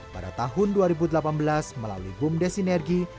pada tahun dua ribu delapan belas melalui bumdes sinergi